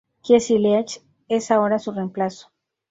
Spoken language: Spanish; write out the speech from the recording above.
Jesse Leach es ahora su reemplazo.